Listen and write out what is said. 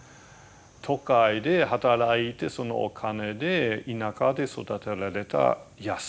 都会で働いてそのお金で田舎で育てられた野菜を買う。